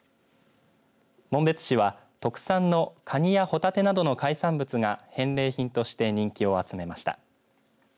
紋別市は特産のカニやホタテなどの海産物が返礼品として人気を集めました。